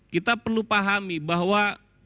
kita perlu pahami bahwa